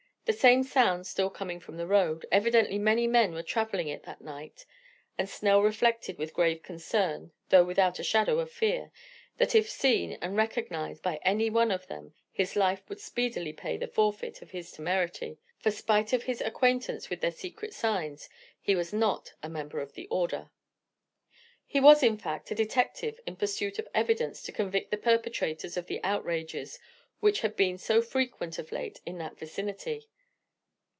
The same sounds still coming from the road; evidently many men were traveling it that night; and Snell reflected with grave concern, though without a shadow of fear, that if seen and recognized by any one of them his life would speedily pay the forfeit of his temerity; for spite of his acquaintance with their secret signs, he was not a member of the order. He was, in fact, a detective in pursuit of evidence to convict the perpetrators of the outrages which had been so frequent of late in that vicinity.